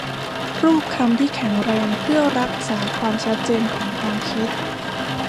รูปคำที่แข็งแรงเพื่อรักษาความชัดเจนของความคิด